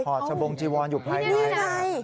พอร์ตสมบงจีวอนอยู่ไหน